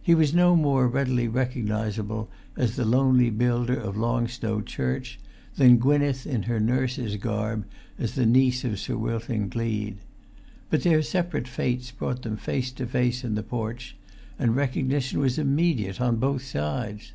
He was no more readily recognisable as the lonely builder of Long Stow church, than Gwynneth in her nurse's garb as the niece of Sir Wilton Gleed. But their separate fates brought them face to face in the porch, and recognition was immediate on both sides.